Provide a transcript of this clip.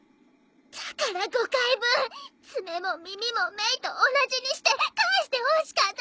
だから５回分爪も耳もメイと同じにして返してほしかっただけ！